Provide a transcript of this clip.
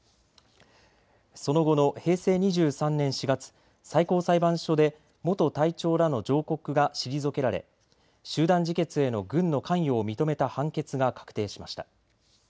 その後の平成２３年４月、最高裁判所で元隊長らの上告が退けられ集団自決への軍の関与を認めた判決が確定しました。